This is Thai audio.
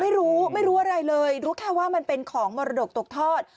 ไม่รู้ไม่รู้อะไรเลยรู้แค่ว่ามันเป็นของมรดกตกทอด